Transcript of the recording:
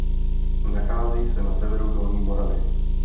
Nachází se na severu Dolní Moravy.